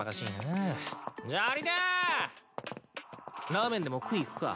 ラーメンでも食い行くか。